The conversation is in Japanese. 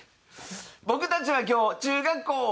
僕たちは今日中学校を。